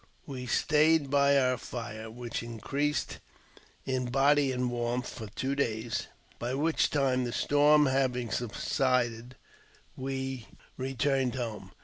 We stayed by our fire, which increased 11 body and warmth, for two days, by which time the storm iaving subsided, we returned home.